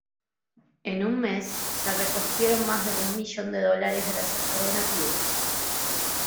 En un mes, se recogieron más de un millón de dólares gracias a donativos.